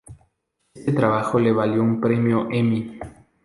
Este trabajo le valió un premio Emmy.